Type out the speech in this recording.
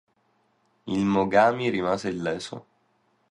Il "Mogami" rimase illeso.